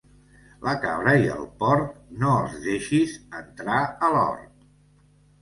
La cabra i el porc no els deixis entrar a l'hort.